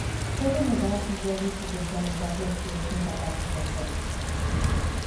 Puede nadar y ya desde temprana edad las crías son capaces de hacerlo.